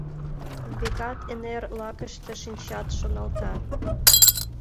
— Векат, эҥер лакыште шинчат, — шоналта.